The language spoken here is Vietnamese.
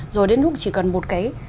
rồi đến lúc chỉ cần một cái